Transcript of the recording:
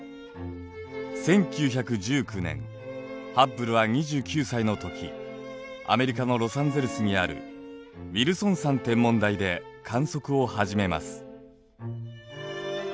１９１９年ハッブルは２９歳のときアメリカのロサンゼルスにあるウィルソン山天文台で観測をはじめます。